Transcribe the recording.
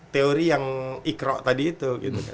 teori yang ikro tadi itu